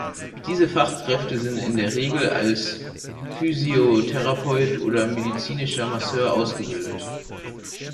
Diese Fachkräfte sind in der Regel als Physiotherapeut oder medizinischer Masseur ausgebildet.